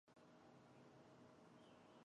三轮草是莎草科莎草属的植物。